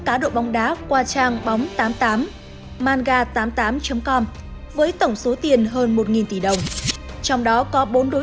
cá độ bóng đá qua trang bóng tám mươi tám manga tám mươi tám com với tổng số tiền hơn một tỷ đồng trong đó có bốn đối